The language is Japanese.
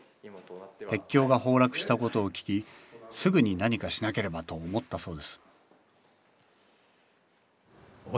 鉄橋が崩落したことを聞き「すぐに何かしなければ」と思ったそうです